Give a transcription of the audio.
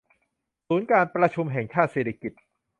ศูนย์การประชุมแห่งชาติสิริกิติ์